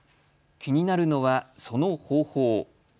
気になるのは、その方法。